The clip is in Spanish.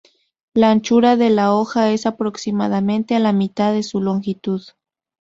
La anchura de la hoja es aproximadamente la mitad de su longitud.